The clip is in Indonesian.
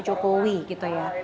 cukupi gitu ya